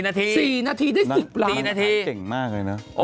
นางขายเก่งมากเลยเนอะ